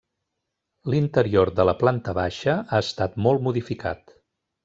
L'interior de la planta baixa ha estat molt modificat.